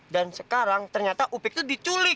dan sekarang ternyata upik tuh diculik